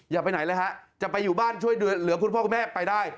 อย่าไปไหนเลยฮะจะไปอยู่บ้านช่วยเหลือคุณพ่อคุณแม่ไปได้